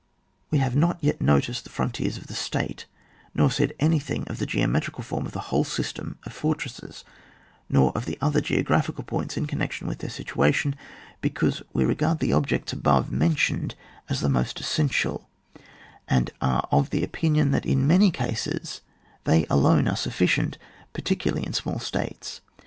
We have not yet noticed the frontiers of the state, nor said anything of the geometrical form of the whole system of fortresses, nor of the other geographical points in connection with their situation, because we regard the objects above mentioned as the most essential, and are of opinion that in many cases they alojie are sufiicient, particularly in small states.